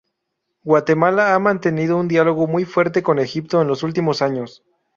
Guatemala ha mantenido un diálogo muy fuerte con Egipto en los últimos años.